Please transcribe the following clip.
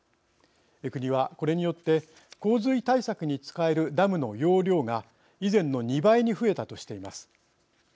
国は、これによって洪水対策に使えるダムの容量が以前の２倍に増えたとしています。